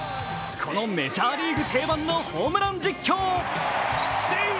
このメジャーリーグ定番のホームラン実況。